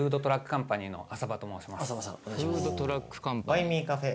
バインミーカフェ